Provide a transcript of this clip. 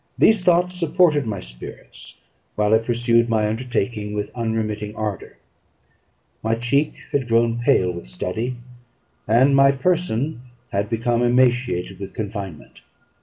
These thoughts supported my spirits, while I pursued my undertaking with unremitting ardour. My cheek had grown pale with study, and my person had become emaciated with confinement.